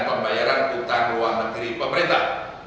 pembayaran utang luar negeri pemerintah